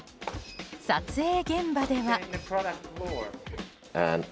撮影現場では。